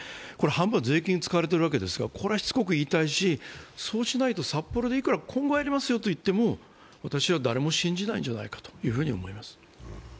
半分は税金が使われているわけですが、これはしつこく言いたいし、そうしないと札幌でいくら、今後やりますよと言っても私は誰も信じないんじゃないかと思います。